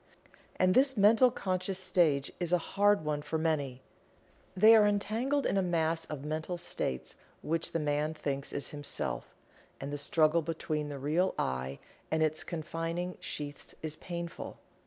And this mental conscious stage is a hard one for many. They are entangled in a mass of mental states which the man thinks is "himself," and the struggle between the real "I" and its confining sheaths is painful.